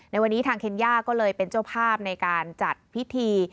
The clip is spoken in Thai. ในวันนี้ทางเคนย่าก็เลยเป็นเจ้าภาพในการจัดพิธี